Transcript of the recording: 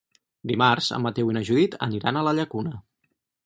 Dimarts en Mateu i na Judit aniran a la Llacuna.